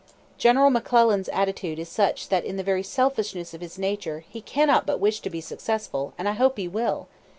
"General McClellan's attitude is such that in the very selfishness of his nature he cannot but wish to be successful, and I hope he will!